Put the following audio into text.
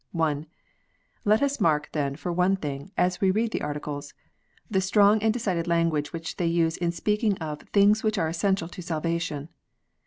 (1) Let us mark, then, for one thing, as we read the Articles, the strong and decided language which they use in speaking of things which are essential to salvation.